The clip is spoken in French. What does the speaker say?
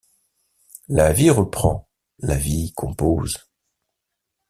La vie reprend, la vie compose.